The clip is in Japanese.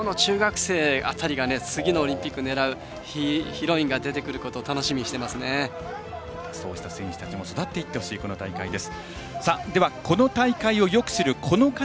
今日の中学生辺りが次のオリンピックを狙うヒロインが出てくることをそうした選手たちも育っていってほしいこの大会です。